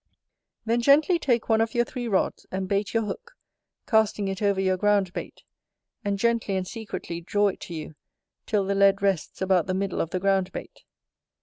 Then, gently take one of your three rods, and bait your hook; casting it over your ground bait, and gently and secretly draw it to you till the lead rests about the middle of the ground bait.